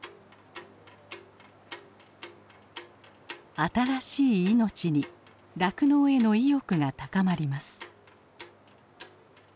新しい命に酪農への意欲が高まります。